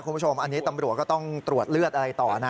คุณผู้ชมอันนี้ตำรวจก็ต้องตรวจเลือดอะไรต่อนะ